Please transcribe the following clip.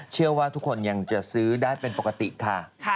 เชื่อว่าทุกคนยังจะซื้อได้เป็นปกติค่ะ